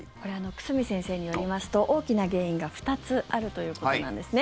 久住先生によりますと大きな原因が２つあるということなんですね。